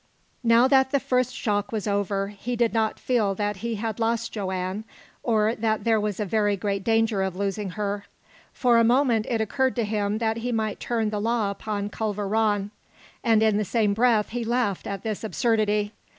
Now that the first shock was over, he did not feel that he had lost Joanne, or that there was a very great danger of losing her. For a moment it occurred to him that he might turn the law upon Culver Rann, and in the same breath he laughed at this absurdity.